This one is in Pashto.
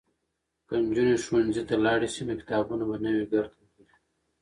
که نجونې ښوونځي ته لاړې شي نو کتابونه به نه وي ګرد وهلي.